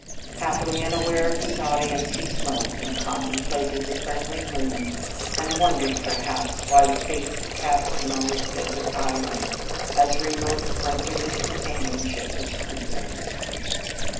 Happily unaware of his audience, he smoked, and con templated the friendly moon, and wondered, perhaps, why the Fates had cast him on this desert island, as remote from human companionship as Crusoe s.